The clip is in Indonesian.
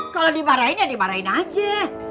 kalau dimarahin ya dimarahin aja